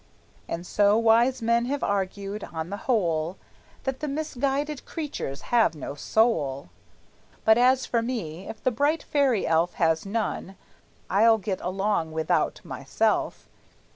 And so wise men have argued, on the whole, That the misguided creatures have no soul; But as for me, if the bright fairy elf Has none, I'll get along without, myself!